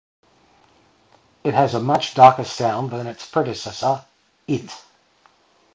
It has a much darker sound than its predecessor, "It".